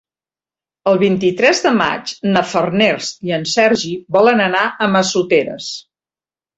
El vint-i-tres de maig na Farners i en Sergi volen anar a Massoteres.